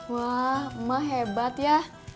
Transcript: wah emak hebat ya